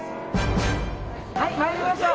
はい参りましょう。